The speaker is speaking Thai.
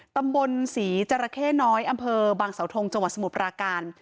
ตำบลศรีจราเข้น้อยอำเภอบางสาวทงจังหวัดสมุทรปราการ